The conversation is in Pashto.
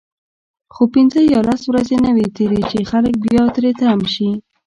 خو پنځه یا لس ورځې نه وي تیرې چې خلک بیا تری تم شي.